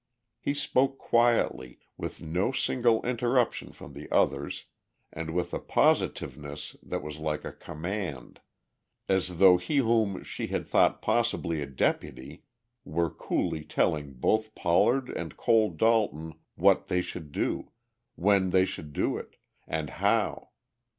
He spoke quietly, with no single interruption from the others and with a positiveness that was like a command, as though he whom she had thought possibly a deputy were coolly telling both Pollard and Cole Dalton what they should do, when they should do it and how.